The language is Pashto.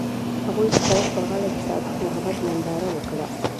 هغوی د سړک پر غاړه د صادق محبت ننداره وکړه.